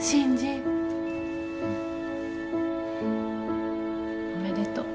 うん？おめでとう。